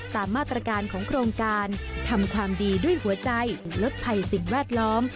ตามมาตรการของโครงการทำความดีด้วยหัวใจลดภัยสิ่งแวดล้อม